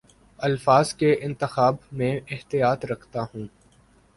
الفاظ کے انتخاب میں احتیاط رکھتا ہوں